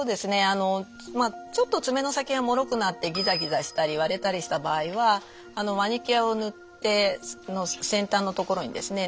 あのちょっと爪の先がもろくなってギザギザしたり割れたりした場合はマニキュアを塗って先端の所にですね